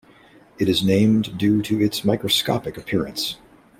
It is named due to its microscopic appearance.